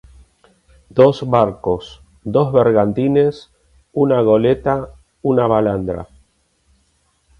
Dos barcos, dos bergantines, una goleta, una balandra"".